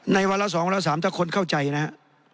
ในวันละสองวันละสามถ้าคนเข้าใจนะฮะ